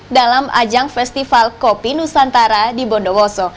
dalam ajang festival kopi nusantara di bondowoso